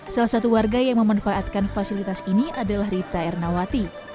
salah satu warga yang memanfaatkan fasilitas ini adalah rita ernawati